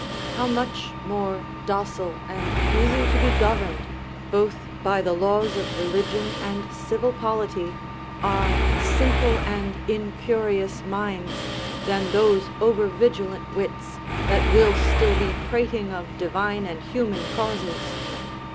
How much more docile and easy to be governed, both by the laws of religion and civil polity, are simple and incurious minds, than those over vigilant wits, that will still be prating of divine and human causes!